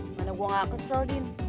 gimana gue gak kesel din